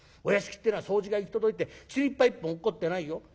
お屋敷ってのは掃除が行き届いてちりっぱ一本落っこってないよ。